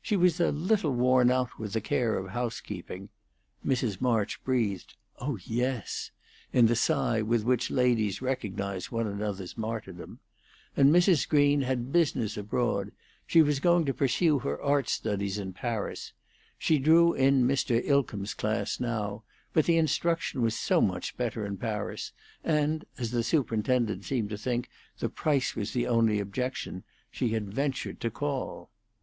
She was a little worn out with the care of housekeeping Mrs. March breathed, "Oh yes!" in the sigh with which ladies recognize one another's martyrdom and Mrs. Green had business abroad, and she was going to pursue her art studies in Paris; she drew in Mr. Ilcomb's class now, but the instruction was so much better in Paris; and as the superintendent seemed to think the price was the only objection, she had ventured to call.